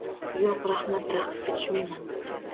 Yo'q, raxmat. Raqsga tushmayman.